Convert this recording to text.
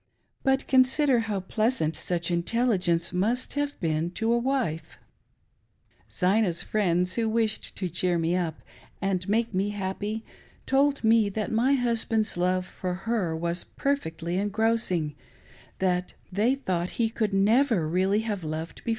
But consider how pleasant such intelligence must have been to a wife ! Zina's friends who wished to cheer me up and make me happy, told me that my husband's love for her was perfectly engrossing, they " thought he could never have really loved.